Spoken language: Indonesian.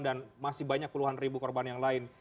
dan masih banyak puluhan ribu korban yang lain